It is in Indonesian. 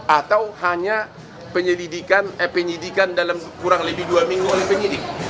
atau hanya penyidikan dalam kurang lebih dua minggu oleh penyidik